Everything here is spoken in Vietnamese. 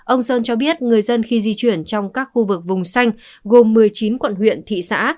ông sơn cho biết người dân khi di chuyển trong các khu vực vùng xanh gồm một mươi chín quận huyện thị xã